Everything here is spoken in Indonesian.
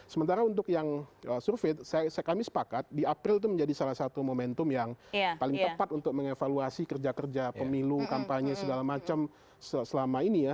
sementara untuk yang survei kami sepakat di april itu menjadi salah satu momentum yang paling tepat untuk mengevaluasi kerja kerja pemilu kampanye segala macam selama ini ya